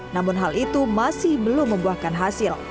namun hal itu masih belum membuahkan hasil